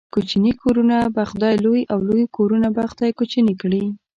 کوچني کورونه به خداى لوى ، او لوى کورونه به خداى کوچني کړي.